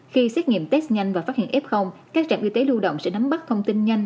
khi xét nghiệm test nhanh và phát hiện f các trạm y tế lưu động sẽ nắm bắt thông tin nhanh